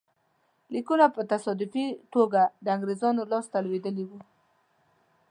لیکونه په تصادفي توګه د انګرېزانو لاسته لوېدلي وو.